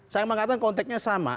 saya mengatakan konteksnya sama